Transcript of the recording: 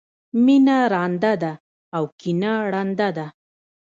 مینه رانده ده او کینه ړنده ده.